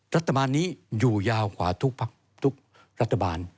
รัฐบาลนี้อยู่ยาวกว่าทุกภักดิ์ทุกรัฐบาล